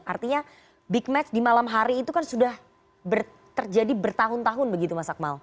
artinya big match di malam hari itu kan sudah terjadi bertahun tahun begitu mas akmal